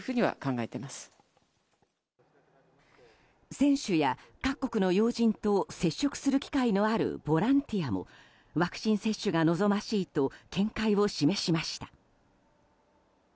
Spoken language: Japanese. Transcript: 選手や各国の要人と接触する機会のあるボランティアもワクチン接種が望ましいと見解を示しました。